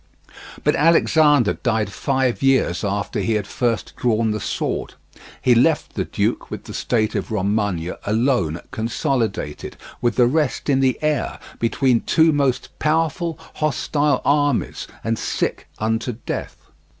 But Alexander died five years after he had first drawn the sword. He left the duke with the state of Romagna alone consolidated, with the rest in the air, between two most powerful hostile armies, and sick unto death.